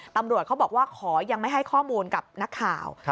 ตำรวจเขาบอกว่าขอยังไม่ให้ข้อมูลกับนักข่าว